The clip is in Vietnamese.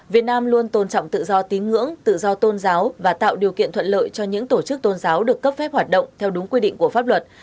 việt nam luôn tôn trọng tự do tín ngưỡng tự do tôn giáo và tạo điều kiện thuận lợi cho những tổ chức tôn giáo được cấp phép hoạt động theo đúng quy định của pháp luật